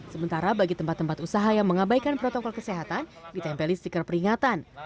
sementara bagi tempat tempat usaha yang mengabaikan protokol kesehatan ditempeli stiker peringatan